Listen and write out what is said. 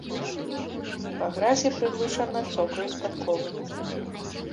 Па гразі прыглушана цокаюць падковы.